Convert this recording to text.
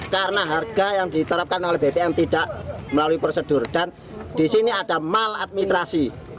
karena harga yang diterapkan oleh bpm tidak melalui prosedur dan disini ada mal administrasi